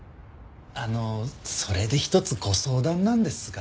あのそれで一つご相談なんですが。